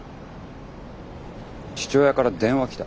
父親から電話来た。